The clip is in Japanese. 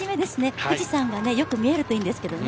富士山がよく見るといいんですけどね。